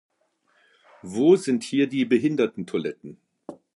Wo sind hier die Behindertentoiletten?